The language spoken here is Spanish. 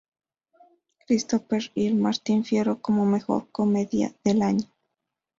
Christopher y El Martín Fierro como Mejor Comedia del Año.